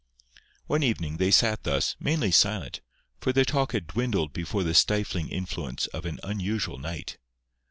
One evening they sat thus, mainly silent, for their talk had dwindled before the stilling influence of an unusual night.